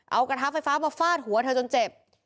เอากระทะไฟฟ้ามาฟาดหัวเธอจนเจ็บ